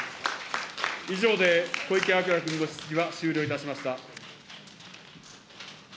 以上で小池晃君の質疑が終了いたしました。